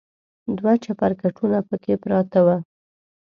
دوه چپرکټونه پکې پراته و.